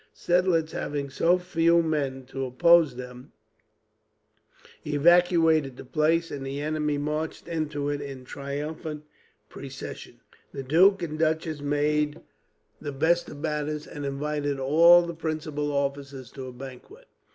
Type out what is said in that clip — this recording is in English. Seidlitz, having so few men to oppose them, evacuated the place, and the enemy marched into it in triumphant procession. The duke and duchess made the best of matters, and invited all the principal officers to a banquet.